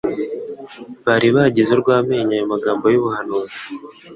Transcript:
Bari bagize urw'amenyo ayo magambo y'ubuhanuzi,